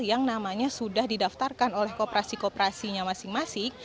yang namanya sudah didaftarkan oleh kooperasi kooperasinya masing masing